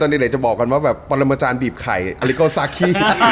แต่วิชาจะบอกกันว่าปรมาณมาจารย์บีบไข่อิโกซาคิ